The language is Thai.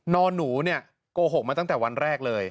นอนหนูเนี่ยโกหกมาตั้งแต่วันแรกเลย